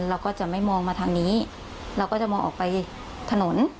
เราก็จะไม่มองมาทางนี้เราก็จะมองออกไปถนน